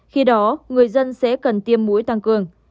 khi đó người dân sẽ cần tiêm mũi tăng cường